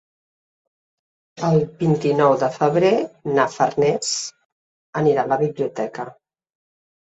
El vint-i-nou de febrer na Farners anirà a la biblioteca.